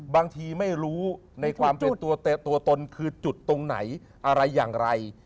บางทีไม่รู้ในความเป็นตัวตนคือจุดตรงไหนอะไรอย่างไร